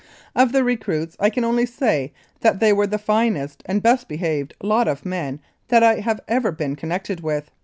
Of the recruits I can only say that they were the finest and best behaved lot of men that I have ever been connected with.